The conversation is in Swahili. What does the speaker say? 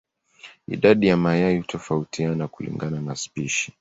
Idadi ya mayai hutofautiana kulingana na spishi.